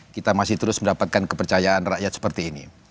kita masih terus mendapatkan kepercayaan rakyat seperti ini